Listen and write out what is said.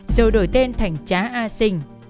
rồi đổi tên thành trá a sinh